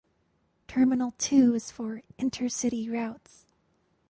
Terminal two is for intercity routes.